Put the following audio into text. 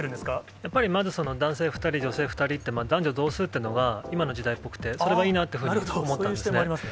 やっぱりまず男性２人、女性２人って、男女同数というのが今の時代っぽくて、それがいいそういう視点もありますね。